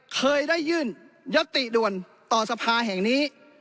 เคยได้ยื่นยติด่วนต่อสภาแห่งนี้